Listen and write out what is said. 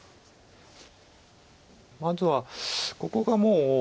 まずはここがもう。